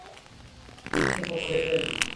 ঐযে কমোডের পেছনে।